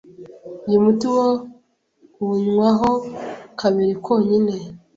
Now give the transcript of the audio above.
uyu muti wo unywaho kabiri konyine